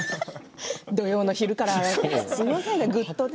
土曜の昼から。